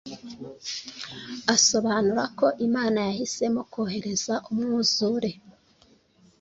asobanura ko imana yahisemo kohereza umwuzure